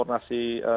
terima kasih pak ustaz